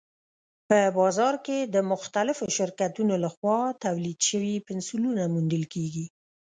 په بازار کې د مختلفو شرکتونو لخوا تولید شوي پنسلونه موندل کېږي.